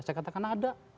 saya katakan ada